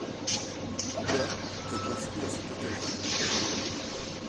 Le est construit à cette occasion.